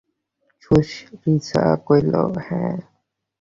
সুচরিতা কহিল, হাঁ।